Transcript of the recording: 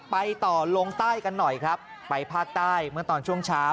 ไปต่อลงใต้กันหน่อยครับไปภาคใต้เมื่อตอนช่วงเช้า